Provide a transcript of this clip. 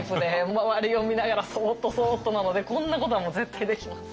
周りを見ながらそっとそっとなのでこんなことはもう絶対できません。